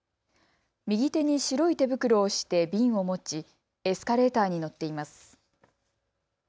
右手に白い手袋をして瓶を持ちエスカレーターに乗っています。